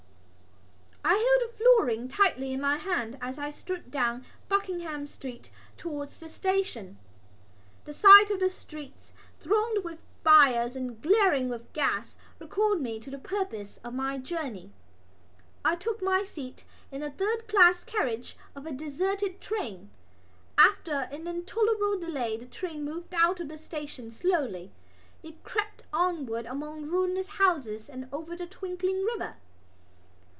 I held a florin tightly in my hand as I strode down Buckingham Street towards the station. The sight of the streets thronged with buyers and glaring with gas recalled to me the purpose of my journey. I took my seat in a third class carriage of a deserted train. After an intolerable delay the train moved out of the station slowly. It crept onward among ruinous houses and over the twinkling river.